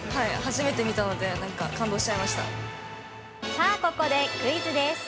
◆さあ、ここでクイズです。